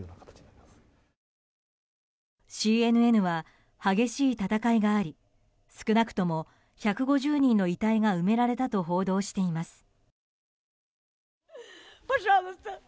ＣＮＮは、激しい戦いがあり少なくとも１５０人の遺体が埋められたと報道しています。